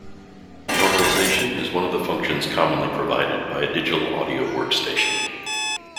Normalization is one of the functions commonly provided by a digital audio workstation.